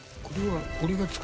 これは。